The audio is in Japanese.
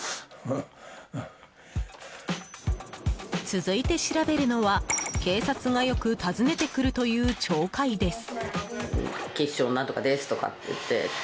続いて調べるのは、警察がよく訪ねてくるという町会です。